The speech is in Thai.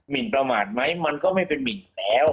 มิ่นประมาทไหมมันก็ไม่เป็นมิ่นล่ะ